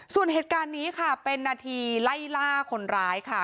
ส่วนเหตุการณ์นี้ค่ะเป็นนาทีไล่ล่าคนร้ายค่ะ